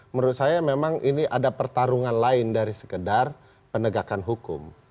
menurut saya memang ini ada pertarungan lain dari sekedar penegakan hukum